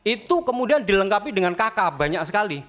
itu kemudian dilengkapi dengan kk banyak sekali